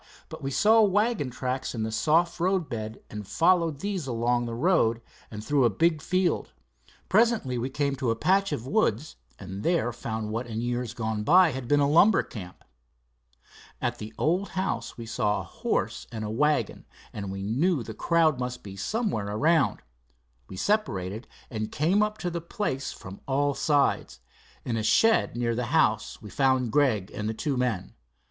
But we saw wagon tracks in the soft roadbed and followed these along the road and through a big field. Presently we came to a patch of woods, and there found what in years gone by had been a lumber camp. At the old house we saw a horse and wagon, and we knew the crowd must be somewhere around. We separated, and came up to the place from all sides. In a shed near the house we found Gregg and the two men.